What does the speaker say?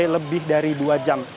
lebih dari dua jam